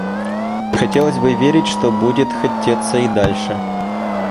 Хотелось бы верить, что будет хотеться и дальше.